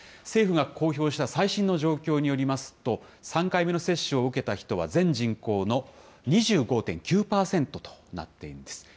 政府が公表した最新の状況によりますと、３回目の接種を受けた人は全人口の２５．９％となっているんです。